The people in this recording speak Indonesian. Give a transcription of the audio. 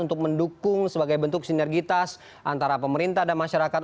untuk mendukung sebagai bentuk sinergitas antara pemerintah dan masyarakat